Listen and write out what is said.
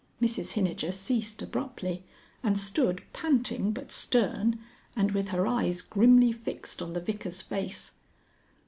Mrs Hinijer ceased abruptly and stood panting but stern, and with her eyes grimly fixed on the Vicar's face.